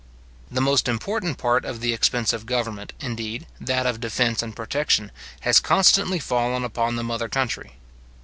The most important part of the expense of government, indeed, that of defence and protection, has constantly fallen upon the mother country.